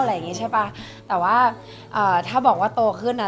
อะไรอย่างนี้ใช่ปะแต่ว่าถ้าบอกว่าโตขึ้นอะ